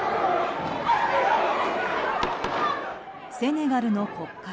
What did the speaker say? セネガルの国会。